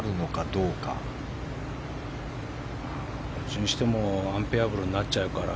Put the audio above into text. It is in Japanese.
どっちにしてもアンプレヤブルになっちゃうから。